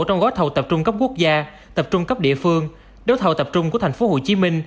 trong gói thầu tập trung cấp quốc gia tập trung cấp địa phương đấu thầu tập trung của tp hcm